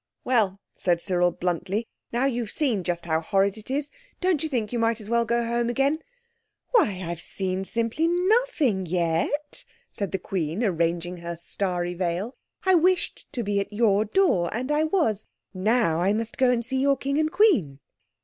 "Well," said Cyril bluntly, "now you've seen just how horrid it is, don't you think you might as well go home again?" "Why, I've seen simply nothing yet," said the Queen, arranging her starry veil. "I wished to be at your door, and I was. Now I must go and see your King and Queen."